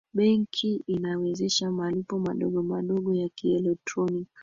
benki inawezesha malipo madogo ya kielektroniki